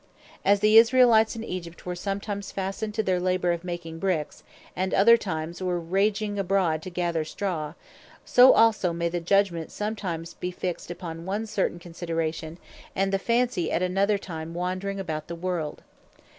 As the Israelites in Egypt, were sometimes fastened to their labour of making Bricks, and other times were ranging abroad to gather Straw: So also may the Judgment sometimes be fixed upon one certain Consideration, and the Fancy at another time wandring about the world.